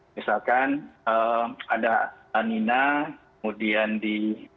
misalkan ada lanina kemudian di